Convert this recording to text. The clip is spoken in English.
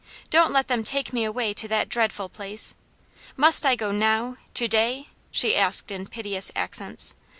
don't let them take me away to that dreadful place! Must I go now? to day?" she asked in piteous accents.